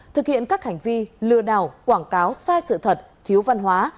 thực hiện các hành vi lừa đảo quảng cáo sai sự thật thiếu văn hóa